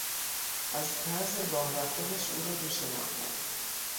از طرز راه رفتنش او را میشناختند.